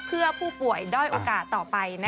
เพื่อผู้ป่วยด้อยโอกาสต่อไป